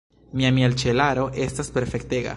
Mia mielĉelaro estas perfektega.